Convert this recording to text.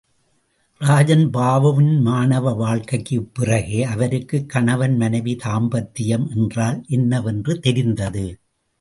ராஜன்பாபுவின் மாணவ வாழ்க்கைக்குப் பிறகே அவருக்கு கணவன் மனைவி தாம்பத்தியம் என்றால் என்ன என்று தெரிந்தது.